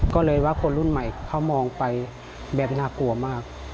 ก็เลยว่าคนรุ่นใหม่เขามองไปแบบน่ากลัวมาก